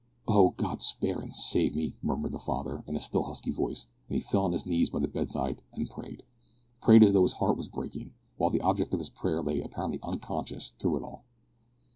"Oh! God spare and save him!" murmured the father, in a still husky voice, as he fell on his knees by the bedside and prayed prayed as though his heart were breaking, while the object of his prayer lay apparently unconscious through it all.